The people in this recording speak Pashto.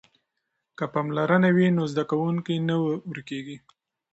که پاملرنه وي نو زده کوونکی نه ورکیږي.